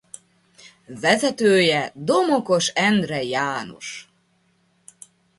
Vezetője Domokos Endre János.